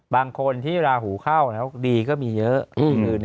บางคนที่ราหูเข้าแล้วดีก็มีเยอะ